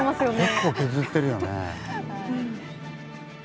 結構削ってるよね。